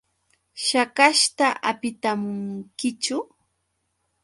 ¿Shakashta hapitamunkichu?